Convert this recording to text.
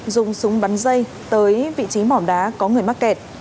dùng súng bắn dây tới vị trí mỏm đá có người mắc kẹt